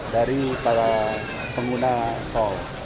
dari para pengguna tol